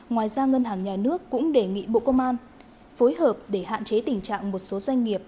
ngoài ra ngân hàng nhà nước cũng đề nghị bộ công an phối hợp để hạn chế tình trạng một số doanh nghiệp